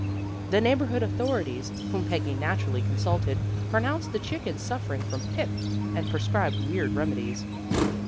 The neighborhood authorities, whom Peggy naturally consulted, pronounced the chickens suffering from "pip" and prescribed weird remedies.